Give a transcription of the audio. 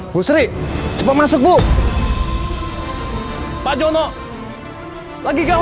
bu sri cepet masuk bu pak jono lagi gawat bu